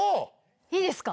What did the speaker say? いいですか？